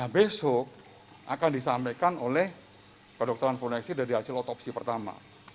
besok akan disampaikan oleh kedokteran foneksi dari hasil otopsi pertama